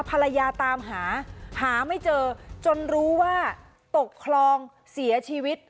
ภรรยาตามหาหาไม่เจอจนรู้ว่าตกคลองเสียชีวิต